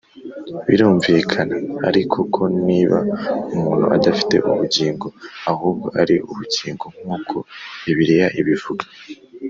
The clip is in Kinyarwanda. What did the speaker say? birumvikana ariko ko niba umuntu adafite ubugingo ahubwo ari ubugingo nk’uko bibiliya ibivuga